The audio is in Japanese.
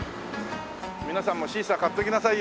皆さんもシーサー買っていきなさいよ